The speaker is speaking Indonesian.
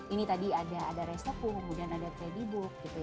ini tadi ada resep kemudian ada tradebook